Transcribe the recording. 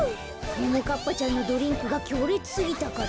ももかっぱちゃんのドリンクがきょうれつすぎたから？